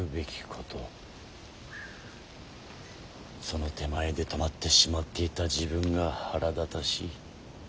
その手前で止まってしまっていた自分が腹立たしい。